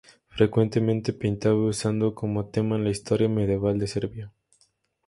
Frecuentemente pintaba usando como tema la historia medieval de Serbia.